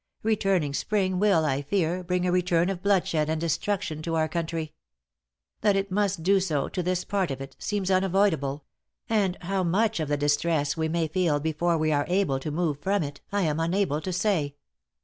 Returning spring will, I fear, bring a return of bloodshed and destruction to our country. That it must do so to this part of it, seems unavoidable; and how much of the distress we may feel before we are able to move from it, I am unable to say.